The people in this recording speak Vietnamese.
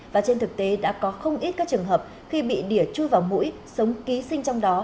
và trên thực tế đã có không ít các trường hợp khi bị đỉa chui vào mũi sống ký sinh trong đó